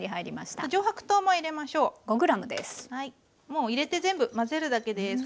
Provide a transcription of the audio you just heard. もう入れて全部混ぜるだけです。